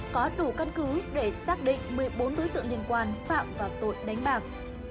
có đủ căn cứ để xác định một mươi bốn đối tượng liên quan phạm vào tội đánh bạc